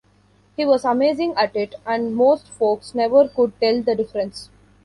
He was amazing at it, and most folks never could tell the difference.